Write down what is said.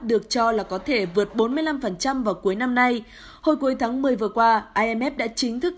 được cho là có thể vượt bốn mươi năm vào cuối năm nay hồi cuối tháng một mươi vừa qua imf đã chính thức